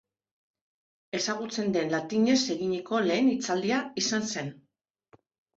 Ezagutzen den latinez eginiko lehen hitzaldia izan zen.